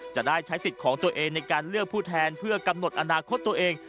จะได้ใช้สิทธิ์ของตัวเองในการเลือกผู้แทนเพื่อกำหนดอนาคตตัวเอง